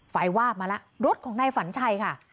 วาบมาแล้วรถของนายฝันชัยค่ะ